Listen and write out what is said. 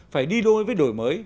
phải đi đôi với đổi mới